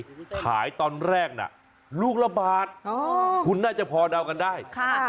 คุณผู้ชมเนี่ยก็๙๖ขายตอนแรกลูกละบาทคุณน่าจะพอเดาได้